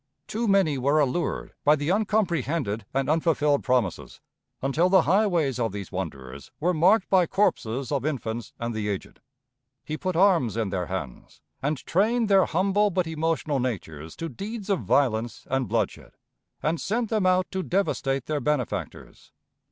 Too many were allured by the uncomprehended and unfulfilled promises, until the highways of these wanderers were marked by corpses of infants and the aged. He put arms in their hands, and trained their humble but emotional natures to deeds of violence and bloodshed, and sent them out to devastate their benefactors.